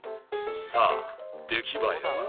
さあ出来栄えは？